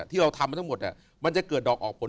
ที่เราทำมาทั้งหมดมันจะเกิดดอกออกผล